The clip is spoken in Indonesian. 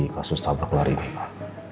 kasus tabrak lari ini pak